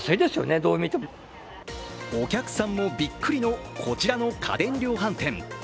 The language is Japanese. お客さんもびっくりのこちらの家電量販店。